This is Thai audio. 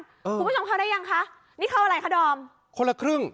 คุณผู้ชมเข้าได้ยังคะนี่เข้าอะไรคะดอมคนละครึ่ง